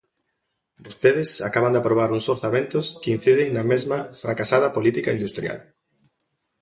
Vostedes acaban de aprobar uns orzamentos que inciden na mesma fracasada política industrial.